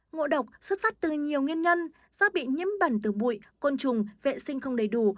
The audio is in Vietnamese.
ngộ độc xuất phát từ nhiều nguyên nhân do bị nhiễm bẩn từ bụi côn trùng vệ sinh không đầy đủ